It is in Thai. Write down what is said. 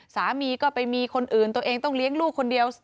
สามีก็ไปมีคนอื่นตัวเองต้องเลี้ยงลูกคนเดียว